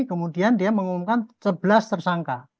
kemudian dia mengumumkan sebelas tersangka